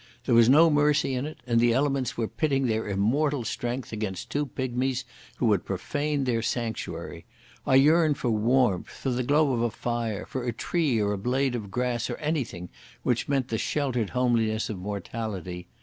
There was no mercy in it, and the elements were pitting their immortal strength against two pigmies who had profaned their sanctuary. I yearned for warmth, for the glow of a fire, for a tree or blade of grass or anything which meant the sheltered homeliness of mortality.